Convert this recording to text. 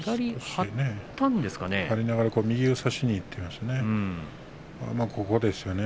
張りながら右を差しにいっていますね。